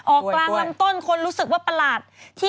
ออกกลางลำต้นคนรู้สึกว่าประหลาด